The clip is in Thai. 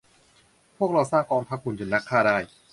พวกเราสร้างกองทัพหุ่นยนต์นักฆ่าได้